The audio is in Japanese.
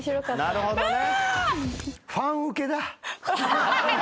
なるほどね。